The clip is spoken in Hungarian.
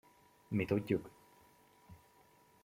Mi tudjuk!